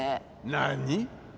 何？